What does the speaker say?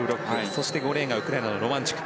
そして５レーンがウクライナのロマンチュク。